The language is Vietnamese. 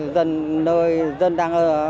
dân nơi dân đang